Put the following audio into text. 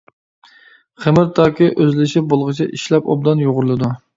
خېمىر تاكى ئۆزلىشىپ بولغۇچە ئىشلەپ ئوبدان يۇغۇرۇلىدۇ.